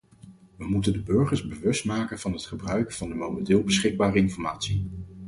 We moeten de burgers bewust maken van het gebruik van de momenteel beschikbare informatie.